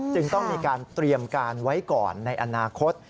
จึงต้องมีการเตรียมการไว้ก่อนในอนาคต